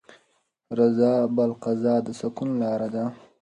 رضا بالقضا د سکون لاره ده.